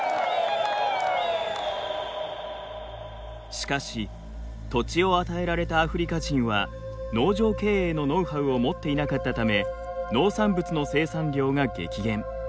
しかし土地を与えられたアフリカ人は農場経営のノウハウを持っていなかったため農産物の生産量が激減。